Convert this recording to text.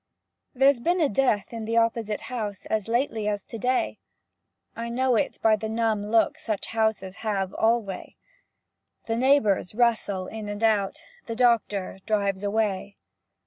There's been a death in the opposite house As lately as to day. I know it by the numb look Such houses have alway. The neighbors rustle in and out, The doctor drives away.